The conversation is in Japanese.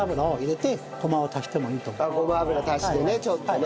ごま油足してねちょっとね。